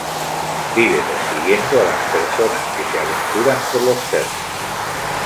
Vive persiguiendo a las personas que se aventuran por los cerros.